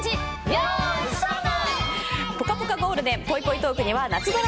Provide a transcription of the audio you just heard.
よーい、スタート！